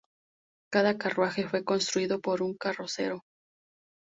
Cada carruaje fue construido por un carrocero.